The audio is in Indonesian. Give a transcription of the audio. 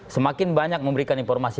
semakin banyak memberikan informasi